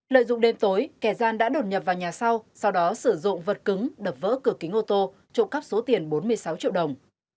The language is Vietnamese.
lợi dụng đêm tối kẻ gian đã đột nhập vào nhà sau sau đó sử dụng vật cứng đập vỡ cửa kính ô tô trộm cắp số tiền bốn mươi sáu triệu đồng